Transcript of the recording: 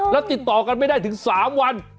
แล้วติดต่อกันไม่ได้ถึง๓วัน